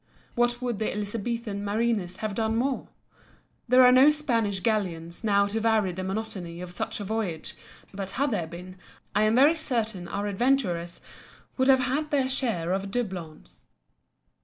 What could the Elizabethan mariners have done more? There are no Spanish galleons now to vary the monotony of such a voyage, but had there been I am very certain our adventurers would have had their share of the doubloons.